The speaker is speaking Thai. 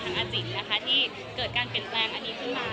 อาจิตนะคะที่เกิดการเปลี่ยนแปลงอันนี้ขึ้นมา